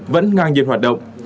vẫn ngang nhiên hoạt động